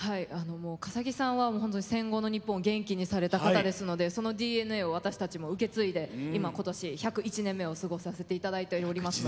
笠置さんは戦後の日本を元気にされた方ですのでそのＤＮＡを私たちも受け継いで今年、１０１年目を過ごさせていただいております。